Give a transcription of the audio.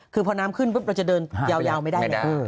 คือพอน้ำขึ้นปุ๊บเราจะเดินยาวไม่ได้ไง